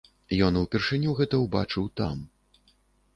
Ён упершыню гэта ўбачыў там.